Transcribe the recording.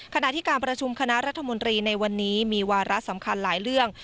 ขณะที่การประชุมคณะรัฐมนตรีในวันนี้มีวาระสำคัญหลายเรื่อง